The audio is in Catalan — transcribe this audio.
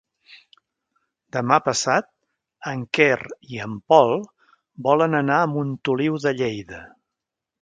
Demà passat en Quer i en Pol volen anar a Montoliu de Lleida.